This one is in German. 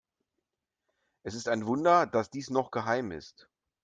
Es ist ein Wunder, dass dies noch geheim ist.